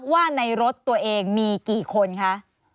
ว่าในรถตัวเองมีกี่คนคะ